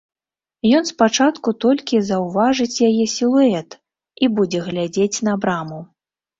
Ён спачатку толькі заўважыць яе сілуэт і будзе глядзець на браму.